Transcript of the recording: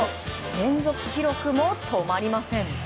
連続記録も止まりません。